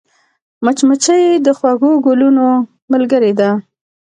مچمچۍ د خوږو ګلونو ملګرې ده